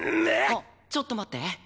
あっちょっと待って。